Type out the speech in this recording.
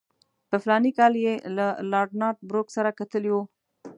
په فلاني کال کې یې له لارډ نارت بروک سره کتلي وو.